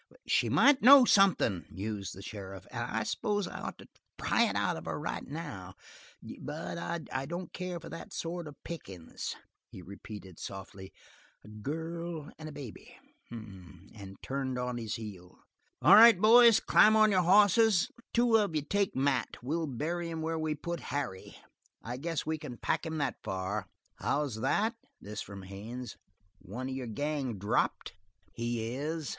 "She might know something," mused the sheriff, "and I s'pose I'd ought to pry it out of her right now: but I don't care for that sort of pickin's." He repeated softly: "A girl and a baby!" and turned on his heel. "All right, boys, climb your hosses. Two of you take Mat. We'll bury him where we put Harry. I guess we can pack him that far." "How's that?" This from Haines. "One of your gang dropped?" "He is."